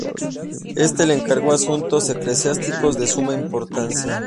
Éste le encargó asuntos eclesiásticos de suma importancia.